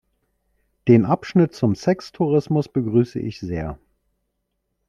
Den Abschnitt zum Sextourismus begrüße ich sehr.